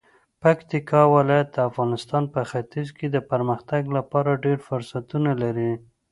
پکتیکا ولایت د افغانستان په ختیځ کې د پرمختګ لپاره ډیر فرصتونه لري.